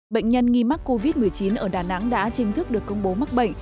bệnh nhân nghi mắc covid một mươi chín ở đà nẵng đã chính thức được công bố mắc bệnh